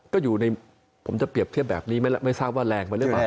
ก็อยู่ในผมจะเปรียบเทียบแบบนี้ไม่ทราบว่าแรงไปหรือเปล่า